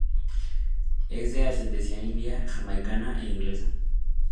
Es de ascendencia india, jamaicana e inglesa.